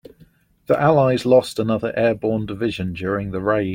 The allies lost another airborne division during the raid.